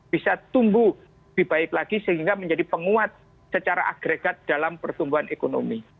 bisa tumbuh lebih baik lagi sehingga menjadi penguat secara agregat dalam pertumbuhan ekonomi